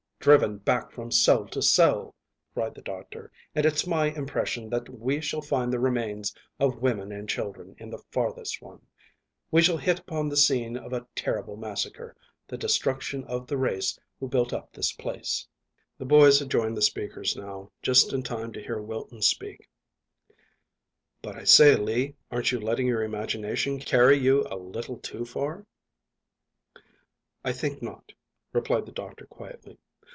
"Driven back from cell to cell," cried the doctor, "and it's my impression that we shall find the remains of women and children in the farthest one. We shall hit upon the scene of a terrible massacre the destruction of the race who built up this place." The boys had joined the speakers now, just in time to hear Wilton speak "But I say, Lee, aren't you letting your imagination carry you a little too far?" "I think not," replied the doctor quietly.